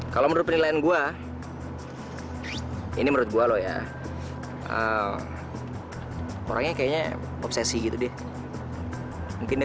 kalau menurut penilaian gua ini menurut gua lo ya orangnya kayaknya obsesi gitu deh mungkin dia